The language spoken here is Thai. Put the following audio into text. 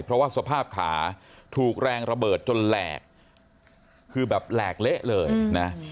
เพราะว่าสภาพขาถูกแรงระเบิดจนแหลกคือแบบแหลกเละเลยนะ